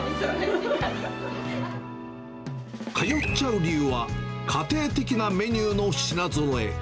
通っちゃう理由は、家庭的なメニューの品ぞろえ。